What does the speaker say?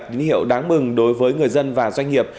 tín hiệu đáng mừng đối với người dân và doanh nghiệp